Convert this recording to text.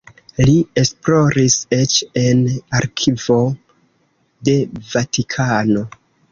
Li esploris eĉ en arkivo de Vatikano.